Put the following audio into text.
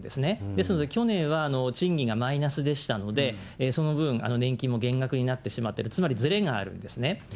ですので、去年は賃金がマイナスでしたので、その分、年金も減額になってしまうという、つまりずれがあるんですね。